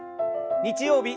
日曜日